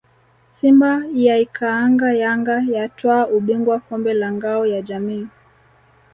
Simba yaikaanga Yanga yatwaa ubingwa kombe la Ngao ya Jamii